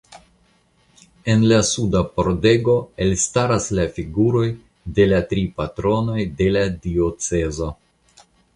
En la suda pordego elstaras la figuroj de la tri patronoj de la diocezo.